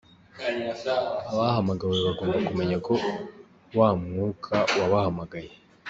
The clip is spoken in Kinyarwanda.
Abahamagawe.bagomba kumenya ko wa mwuka wabahamagaye.